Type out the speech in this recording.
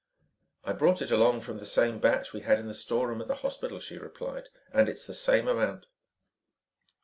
"I brought it along from the same batch we had in the store room at the hospital," she replied, "and it's the same amount."